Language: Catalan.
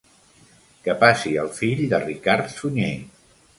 Que passi el fill de Ricard Sunyer.